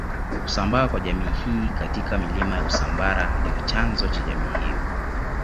kusambaa kwa jamii hii katika milima ya usambara ndio chanzo cha jamii hiyo